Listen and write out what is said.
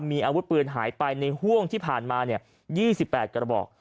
มีอาวุธปืนหายไปในห่วงที่ผ่านมา๒๘กระบอก